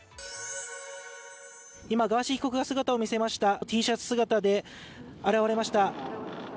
今、ガーシー被告が姿を見せました、Ｔシャツ姿で現れました。